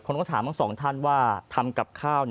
ผมก็ถามทั้งสองท่านว่าทำกับข้าว